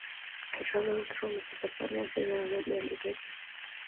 He traveled through Mesopotamia, Syria, Arabia and Ethiopia.